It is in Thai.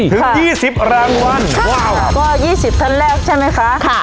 ถึงยี่สิบร้านวันใช่ว้าวก็ยี่สิบทั้งแรกใช่ไหมคะค่ะ